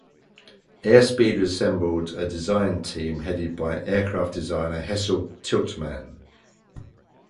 Airspeed assembled a design team, headed by aircraft designer Hessell Tiltman.